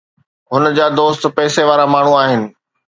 هن جا دوست پئسي وارا ماڻهو آهن.